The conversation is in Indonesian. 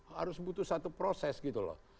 harus butuh satu proses gitu loh